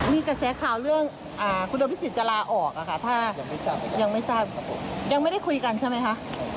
มีความเป็นไปได้ไหมคะคุณชนค่ะ